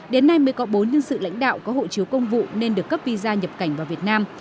đến nay mới có bốn nhân sự lãnh đạo có hộ chiếu công vụ nên được cấp visa nhập cảnh vào việt nam